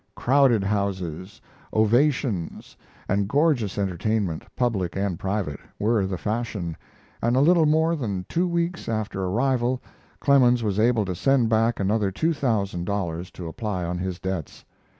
Crowded houses, ovations, and gorgeous entertainment public and private were the fashion, and a little more than two weeks after arrival Clemens was able to send back another two thousand dollars to apply on his debts.